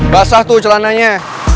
basah tuh celananya